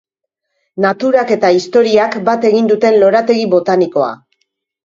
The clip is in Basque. Naturak eta historiak bat egiten duten lorategi botanikoa.